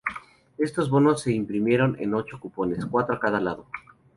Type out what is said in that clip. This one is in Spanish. Estos bonos se imprimieron en ocho cupones, cuatro a cada lado.